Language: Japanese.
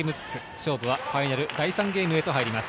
勝負はファイナル、第３ゲームへと入ります。